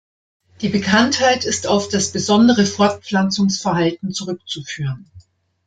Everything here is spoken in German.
Die Bekanntheit ist auf das besondere Fortpflanzungsverhalten zurückzuführen.